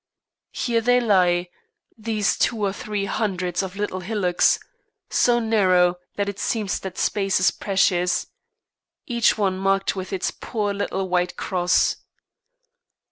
Here they lie, these two or three hundreds of little hillocks, so narrow that it seems that space is precious, each one marked with its poor little white cross.